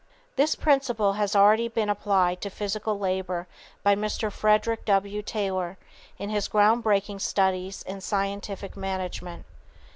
This principle has already been applied to physical labor by Mr. Frederick W. Taylor in his ground breaking studies in "scientific management."